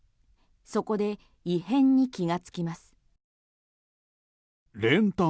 そこで異変に気がつきます。